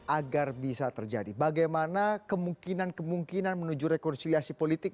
agar bisa terjadi bagaimana kemungkinan kemungkinan menuju rekonsiliasi politik